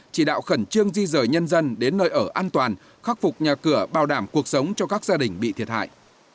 chỉ đạo khẩn trương di rời nhân dân đến nơi ở an toàn khắc phục nhà cửa bảo đảm cuộc sống cho các gia đình bị thiệt hại